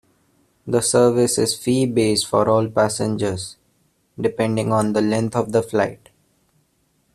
The service is fee-based for all passengers, depending on the length of the flight.